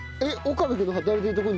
岡部君の働いてるとこに来たの？